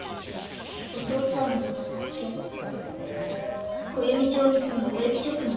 お父っつぁんの名は和助小弓町に住む植木職人です。